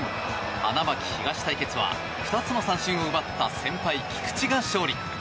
花巻東対決は２つの三振を奪った先輩・菊池が勝利。